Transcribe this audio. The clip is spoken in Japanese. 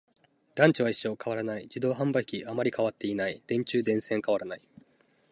団地は一緒、変わらない。自動販売機、あまり変わっていない。電柱、電線、変わらない。